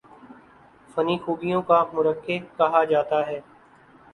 فنی خوبیوں کا مرقع کہا جاتا ہے